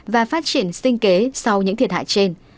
và phát triển sinh kế sau những thiệt hại trên